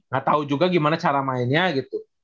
gak tahu juga gimana cara mainnya gitu